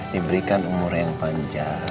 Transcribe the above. diberikan umur yang panjang